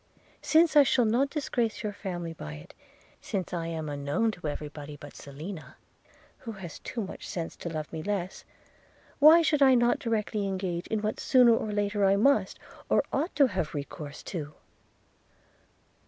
Since I shall not disgrace your family by it; since I am unknown to everybody but Selina, who has too much sense to love me less, why should I not directly engage in what sooner or later I must, I ought to have recourse to?'